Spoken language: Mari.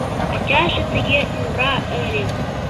Ачаже тыге мура ыле.